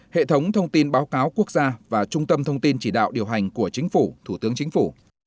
hệ thống thông tin báo cáo quốc gia và trung tâm thông tin chỉ đạo điều hành của chính phủ thủ tướng chính phủ